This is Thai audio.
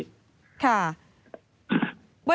ค่ะ